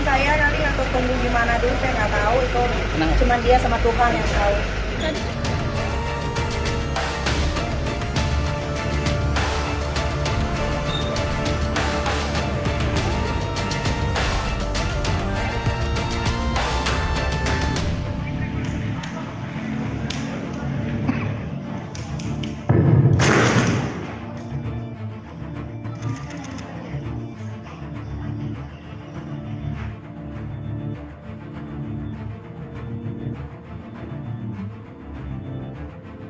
saya nanti atau tunggu gimana dulu saya nggak tahu itu cuma dia sama tuhan yang tahu